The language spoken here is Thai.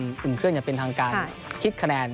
ก็จะเมื่อวันนี้ตอนหลังจดเกม